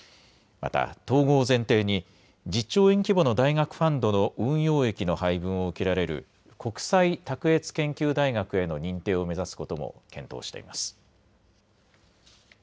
また統合を前提に１０兆円規模の大学ファンドの運用益の配分を受けられる国際卓越研究大学への認定を目指すことも検討しています。